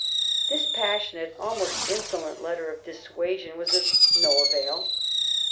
" This passionate, almost insolent letter of dissuasion was of no avail.